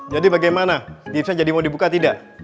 jadi bagaimana gifsnya jadi mau dibuka tidak